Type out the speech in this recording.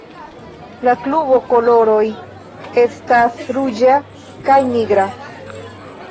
La klubo koloroj estas ruĝa kaj nigra.